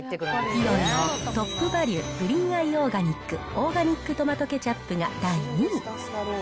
イオンの、トップバリュグリーンアイオーガニックオーガニックトマトケチャップが第２位。